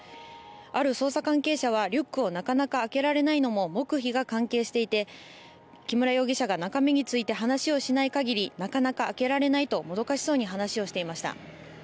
ある捜査関係者は、リュックをなかなか開けられないのも黙秘が関係していて木村容疑者が中身について話をしない限りなかなか開けられないともどかしそうに話をしていました。